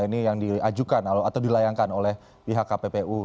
ini yang diajukan atau dilayangkan oleh pihak kppu